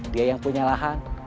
dia yang punya lahan